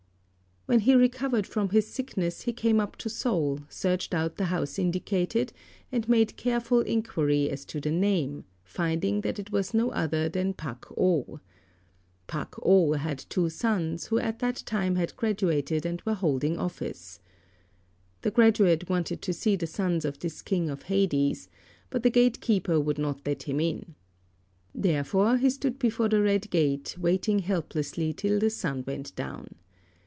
When he recovered from his sickness he came up to Seoul, searched out the house indicated, and made careful inquiry as to the name, finding that it was no other than Pak Oo. Pak Oo had two sons, who at that time had graduated and were holding office. The graduate wanted to see the sons of this King of Hades, but the gatekeeper would not let him in. Therefore he stood before the red gate waiting helplessly till the sun went down.